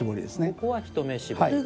ここは一目絞り。